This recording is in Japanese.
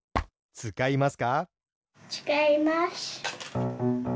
つかいます。